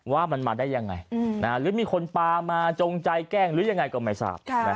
ว่ามันมาได้ยังไงหรือมีคนปลามาจงใจแกล้งหรือยังไงก็ไม่ทราบ